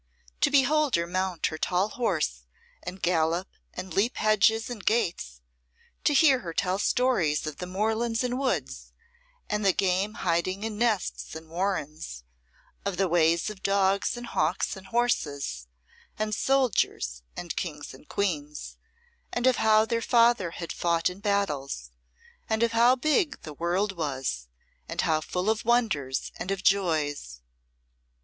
To behold her mount her tall horse and gallop and leap hedges and gates, to hear her tell stories of the moorlands and woods, and the game hiding in nests and warrens, of the ways of dogs and hawks and horses, and soldiers and Kings and Queens, and of how their father had fought in battles, and of how big the world was and how full of wonders and of joys!